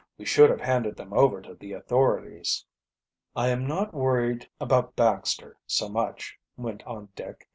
We should have handed them over to the authorities." "I am not worried about Baxter so much," went on Dick.